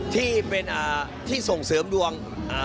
ที่เป็นที่ส่งเสริมดวง